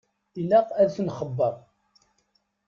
Ilaq ad ten-nxebbeṛ.